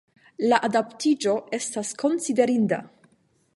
La adaptiĝo estas konsiderinda.